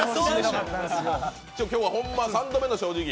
今日はホンマ、３度目の正直。